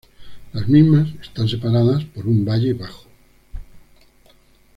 Las mismas están separadas por un valle bajo.